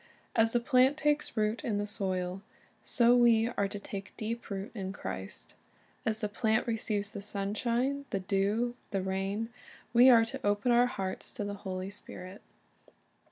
As the plant takes root in the soil, so we are to take deep root in Christ. As the plant receives the sunshine, the dew, and the rain, we are to open our hearts to the Holy Spirit.